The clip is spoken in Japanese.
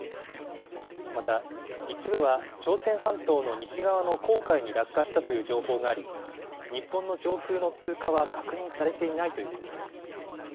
また一部は朝鮮半島の西側の黄海に落下したという情報があり日本の上空の通過は確認されていないということです。